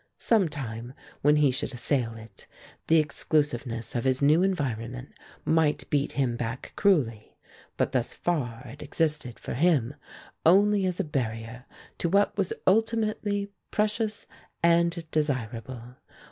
Sometime when he should assail it, the exclusiveness of his new environment might beat him back cruelly, but thus far it existed for him only as a barrier to what was ultimately precious and desirable.